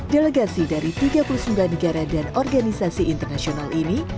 delegasi dari tiga puluh sembilan negara dan organisasi internasional ini